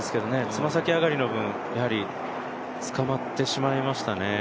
爪先上がりの分、やはりつかまってしまいましたね。